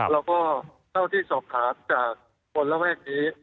แล้วก็เท่าที่สอบถามจากคนระแวกนี้